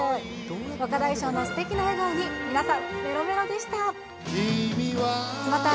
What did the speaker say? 若大将のすてきな笑顔に、皆さん、めろめろでした。